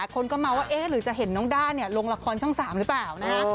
คนก็เมาว่าเอ๊ะหรือจะเห็นน้องด้าลงละครช่อง๓หรือเปล่านะฮะ